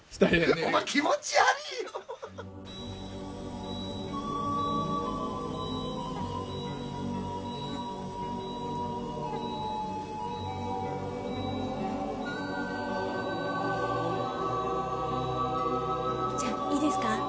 お前気持ち悪いよ・じゃあいいですか？